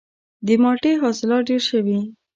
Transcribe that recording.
د مالټې حاصلات ډیر شوي؟